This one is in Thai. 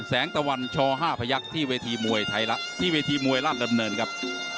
แสงตะวันชอ๕พยักที่เวทีมวยล่านดำเนินครับ